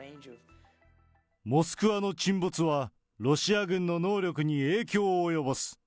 モスクワの沈没は、ロシア軍の能力に影響を及ぼす。